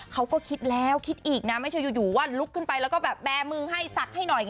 เขาก็คิดแล้วคิดอีกนะไม่ใช่อยู่ว่าลุกขึ้นไปแล้วก็แบบแบร์มือให้สักให้หน่อย